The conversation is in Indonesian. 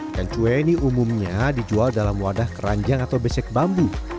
ikan cue ini umumnya dijual dalam wadah keranjang atau besek bambu